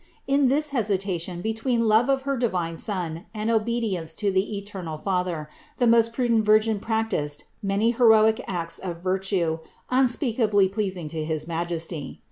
In this hesitation between love of her divine Son and obedience to the eternal Father, the most pru dent Virgin practiced many heroic acts of virtue, un speakably pleasing to his Majesty.